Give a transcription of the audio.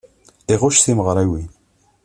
Iɣucc timeɣriwin.